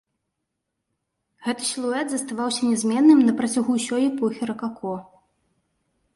Гэты сілуэт заставаўся нязменным на працягу ўсёй эпохі ракако.